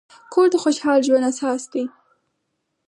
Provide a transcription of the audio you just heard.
کور د خوشحال ژوند اساس دی.